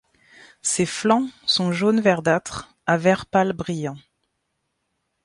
Ses flancs sont jaune-verdâtre à vert pâle brillant.